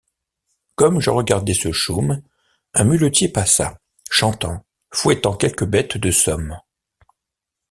Comme je regardais ce chaume, un muletier Passa, chantant, fouettant quelques bêtes de somme.